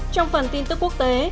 trong phần tin tức quốc tế